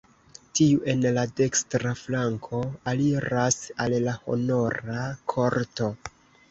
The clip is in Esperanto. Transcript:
Tiu en la dekstra flanko aliras al la honora korto.